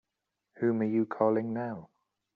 Whom are you calling now?